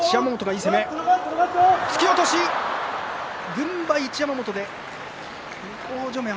軍配は一山本です。